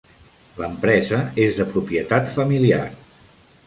L'empresa és de propietat familiar.